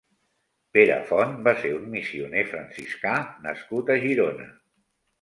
Pere Font va ser un missioner franciscà nascut a Girona.